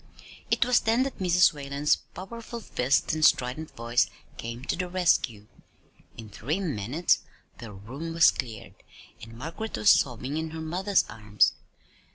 It was then that Mrs. Whalen's powerful fist and strident voice came to the rescue. In three minutes the room was cleared, and Margaret was sobbing in her mother's arms.